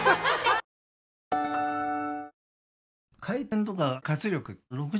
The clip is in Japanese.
回転とか活力